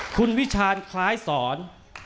คุณวิชาณคล้ายสอน